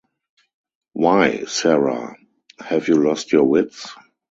Why, Sara, have you lost your wits?